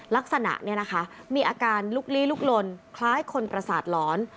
ลักษณะเนี่ยนะคะมีอาการลุกลี้ลุกลนคล้ายคนประสาทหลอน